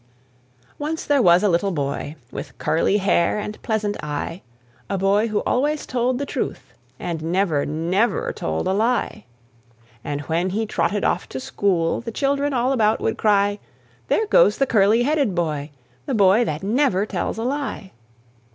Once there was a little boy, With curly hair and pleasant eye A boy who always told the truth, And never, never told a lie. And when he trotted off to school, The children all about would cry, "There goes the curly headed boy The boy that never tells a lie."